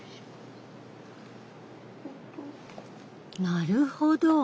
なるほど。